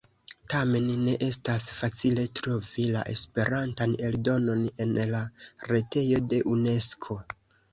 Tamen ne estas facile trovi la Esperantan eldonon en la retejo de Unesko.